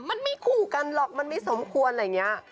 มันไม่คู่กันหรอกมันไม่สมควรอะไรอย่างนี้